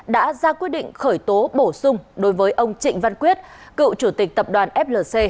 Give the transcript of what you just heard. đã ra quyết định khởi tố bổ sung đối với ông trịnh văn quyết cựu chủ tịch tập đoàn flc